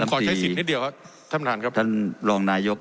ผมขอใช้สิทธิ์นิดเดียวครับท่านประธานครับ